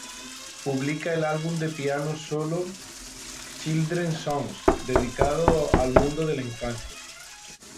Publica el album de piano solo "Children Songs" dedicado al mundo de la infancia.